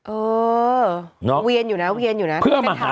เออเวียนอยู่นะเวียนอยู่นะเพื่อมาหา